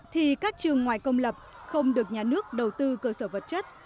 thì các trường ngoài công lập không được nhà nước đầu tư cơ sở vật chất